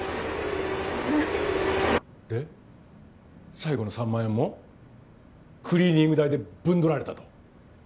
最後の３万円もクリーニング代でぶんどられたと。